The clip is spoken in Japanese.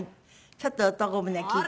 ちょっと『男船』聴いて。